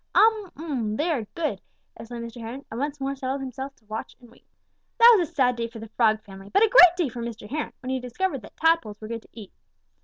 "'Um m, they are good!' exclaimed Mr. Heron, and once more settled himself to watch and wait. "That was a sad day for the Frog family, but a great day for Mr. Heron when he discovered that tadpoles were good to eat."